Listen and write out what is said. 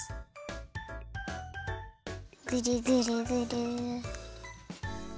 ぐるぐるぐる。